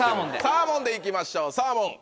サーモンでいきましょうサーモン